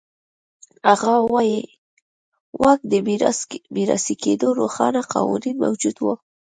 هغه وایي واک د میراثي کېدو روښانه قوانین موجود و.